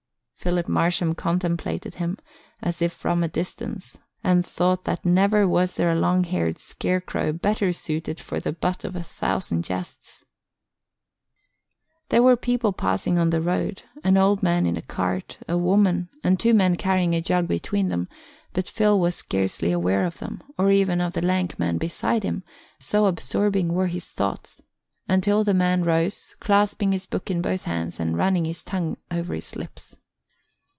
Philip Marsham contemplated him as if from a distance and thought that never was there a long haired scarecrow better suited for the butt of a thousand jests. There were people passing on the road, an old man in a cart, a woman, and two men carrying a jug between them, but Phil was scarcely aware of them, or even of the lank man beside him, so absorbing were his thoughts, until the man rose, clasping his book in both hands and running his tongue over his lips.